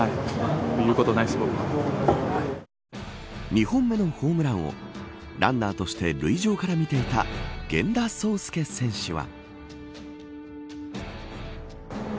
２本目のホームランをランナーとして塁上から見ていた源田壮亮選手は。